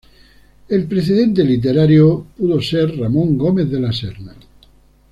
El precedente literario pudo ser Ramón Gómez de la Serna.